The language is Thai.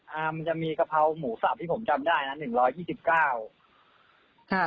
ใช่มันจะมีกะเพราหมูสับที่ผมจำได้นะ๑๒๙